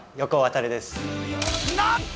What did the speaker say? なんと！